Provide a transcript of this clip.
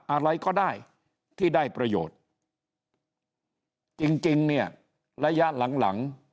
อะไรก็ได้ที่ได้ประโยชน์จริงจริงเนี่ยระยะหลังหลัง